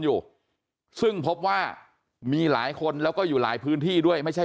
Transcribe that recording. อยู่ซึ่งพบว่ามีหลายคนแล้วก็อยู่หลายพื้นที่ด้วยไม่ใช่